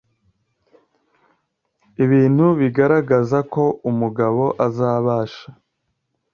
Ibintu bigaragaza ko umugabo azabasha